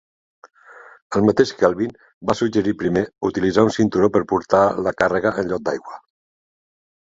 El mateix Kelvin va suggerir primer utilitzar un cinturó per portar la càrrega en lloc d'aigua.